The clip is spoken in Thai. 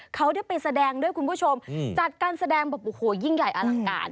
เขาจะไปแสดงด้วยกูชมจัดการแบบอย่างใหญ่อะหลังกาญ